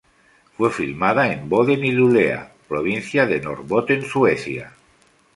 Fue filmada en Boden y Luleå Provincia de Norrbotten, Suecia.